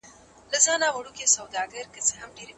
تازه مېوې د انسان د اعصابو په ارامولو کې خورا مرسته کوي.